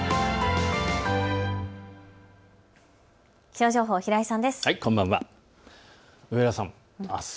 気象情報、平井さんです。